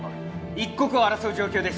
一刻を争う状況です。